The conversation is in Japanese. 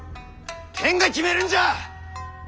天が決めるんじゃ！